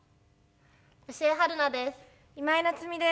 吉江晴菜です。